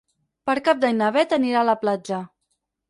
Per Cap d'Any na Beth anirà a la platja.